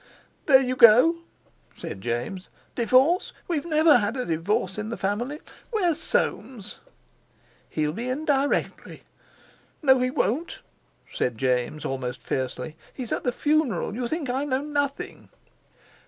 "There you go!" said James. "Divorce! We've never had a divorce in the family. Where's Soames?" "He'll be in directly." "No, he won't," said James, almost fiercely; "he's at the funeral. You think I know nothing."